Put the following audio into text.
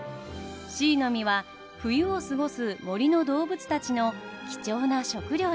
シイの実は冬を過ごす森の動物たちの貴重な食料です。